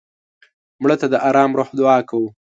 مړه ته د ارام روح دعا کوو